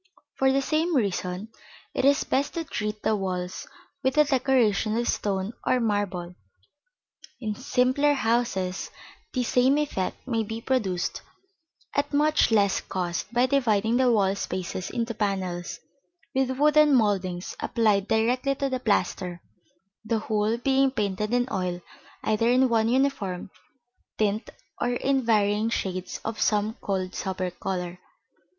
For the same reason, it is best to treat the walls with a decoration of stone or marble. In simpler houses the same effect may be produced at much less cost by dividing the wall spaces into panels, with wooden mouldings applied directly to the plaster, the whole being painted in oil, either in one uniform tint or in varying shades of some cold sober color.